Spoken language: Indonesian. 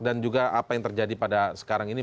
dan juga apa yang terjadi pada sekarang ini